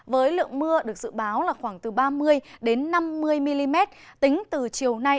với lượng mưa được dự báo là khoảng từ ba mươi năm mươi mm tính từ chiều nay